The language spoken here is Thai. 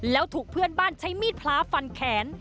แล้วถูกเพื่อนบ้านใช้มีดพระฟันแขน